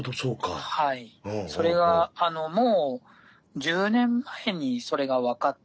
それがもう１０年前にそれが分かって。